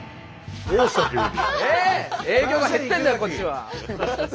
営業が減ってるんだよ